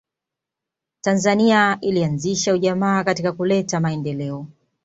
tanzania ilianzisha ujamaa katika kuleta maendeleo